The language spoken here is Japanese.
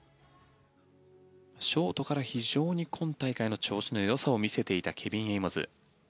ショートから非常に今大会の調子のよさを見せていたケビン・エイモズ。